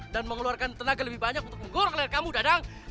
dan mengeluarkan tenaga lebih banyak untuk menggork leher kamu dadang